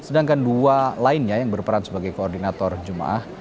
dan dua lainnya yang berperan sebagai koordinator jum ah